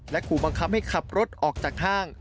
ขู่บังคับให้ขับรถออกจากห้าง